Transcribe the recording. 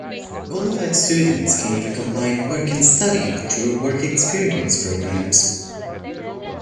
Qualified students can even combine work and study through work experience programs.